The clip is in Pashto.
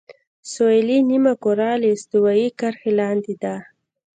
سویلي نیمهکره له استوایي کرښې لاندې ده.